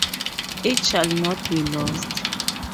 It shall not be lost.